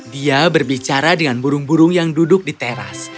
dia berbicara dengan burung burung yang duduk di teras